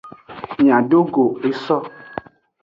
Miadogo eso.